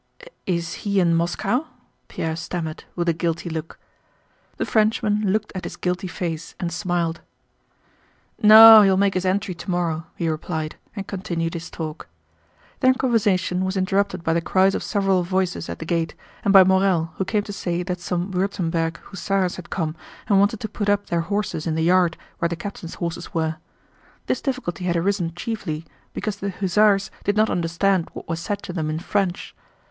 "Is he in Moscow?" Pierre stammered with a guilty look. The Frenchman looked at his guilty face and smiled. "No, he will make his entry tomorrow," he replied, and continued his talk. Their conversation was interrupted by the cries of several voices at the gate and by Morel, who came to say that some Württemberg hussars had come and wanted to put up their horses in the yard where the captain's horses were. This difficulty had arisen chiefly because the hussars did not understand what was said to them in French.